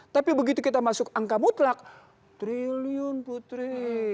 tapi begitu kita masuk angka mutlak triliun putri